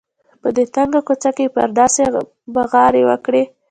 په دې تنګه کوڅه کې یې پرې داسې بغارې وکړې.